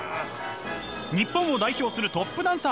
日本を代表するトップダンサー。